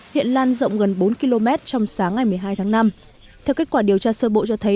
hiện lan rộng gần bốn km trong sáng ngày một mươi hai tháng năm theo kết quả điều tra sơ bộ cho thấy